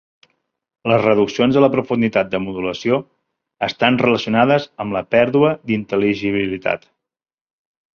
Les reduccions de la profunditat de modulació estan relacionades amb la pèrdua d'intel·ligibilitat.